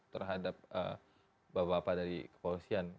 terhadap bapak bapak dari kepolisian